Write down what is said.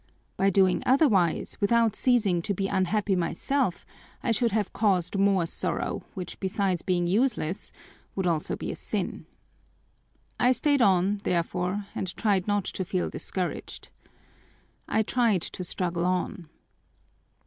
By doing otherwise, without ceasing to be unhappy myself, I should have caused more sorrow, which besides being useless would also be a sin. I stayed on, therefore, and tried not to feel discouraged. I tried to struggle on."